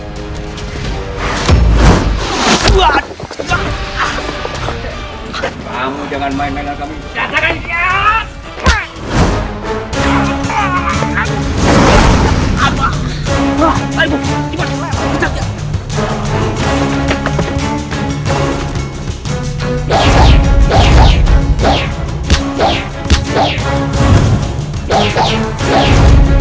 kamu jangan main main dengan kami